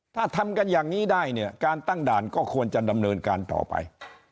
ถ้าทำกันอย่างนี้ได้เนี่ยการตั้งด่านก็ควรจะดำเนินการต่อไป